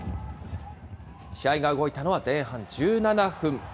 試合が動いたのは前半１７分。